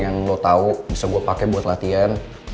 yang lo tahu bisa gue pakai buat latihan